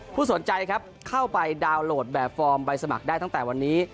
สนใจครับเข้าไปดาวน์โหลดแบบฟอร์มใบสมัครได้ตั้งแต่วันนี้